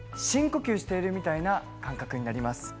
深呼吸しているみたいな感覚になります